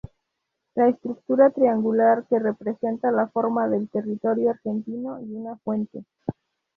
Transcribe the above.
La estructura triangular que representa la forma del territorio argentino y una fuente.